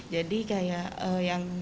jadi kayak yang